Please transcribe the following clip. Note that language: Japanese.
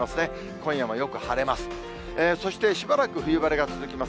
今夜もよく晴れます。